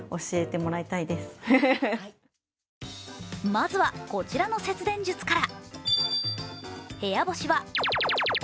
まずは、こちらの節電術から。